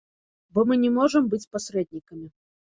Бо мы не можам быць пасрэднікамі.